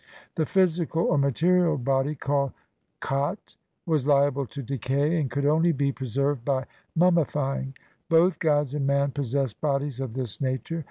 The physical or material body, called khaf, was liable to decay, and could only be preserved by mummifying ; both gods and man possessed bodies of this nature.